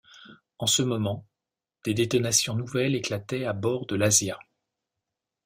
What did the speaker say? En ce moment, des détonations nouvelles éclataient à bord de l’Asia